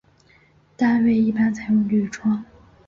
单位一般采用铝窗。